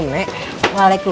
selamat pagi mak